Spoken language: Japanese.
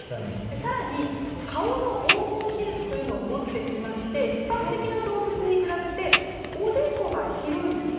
更に、顔の黄金比率というのを持っていまして一般的な動物に比べておでこが広いんです。